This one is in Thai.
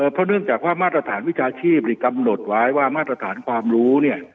เพราะเนื่องจากว่ามาตรฐานวิชาชีพกำหนดไว้ว่ามาตรฐานความรู้เนี่ย